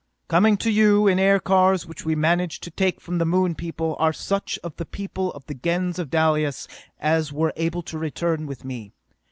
Coming to you, in aircars which we managed to take from the Moon people, are such of the people of the Gens of Dalis as were able to return with me.